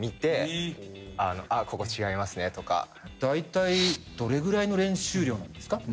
大体どれぐらいの練習量なんですか？